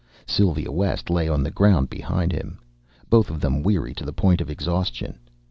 Sylva West lay on the ground behind him. Both of them weary to the point of exhaustion.